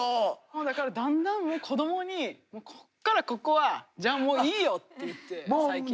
だからだんだん子供にこっからここはじゃあもういいよって言って最近は。